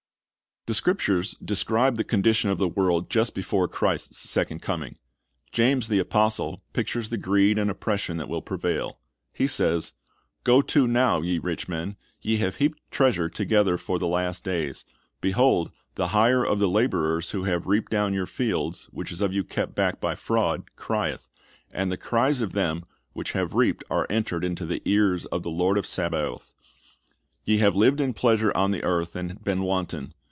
The Scriptures describe the condition of the world just before Christ's second coming. James the apostle pictures the greed and oppression that will prevail. He says, "Go to now, ye rich men, ... ye have heaped treasure together for the last days. Behold, the hire of the laborers who have reaped down your fields, which is of you kept back by fraud, crieth: and the cries of them which have reaped are • entered into the ears of the Lord of Sabaoth. Ye have lived in pleasure on the earth, and been wanton.